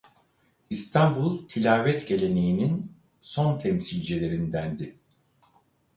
İstanbul tilavet geleneğinin son temsilcilerindendi.